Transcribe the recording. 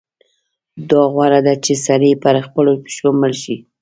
دا غوره ده چې سړی پر خپلو پښو مړ شي.